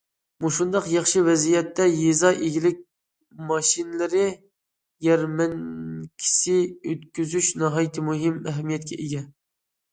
مۇشۇنداق ياخشى ۋەزىيەتتە، يېزا ئىگىلىك ماشىنىلىرى يەرمەنكىسى ئۆتكۈزۈش ناھايىتى مۇھىم ئەھمىيەتكە ئىگە.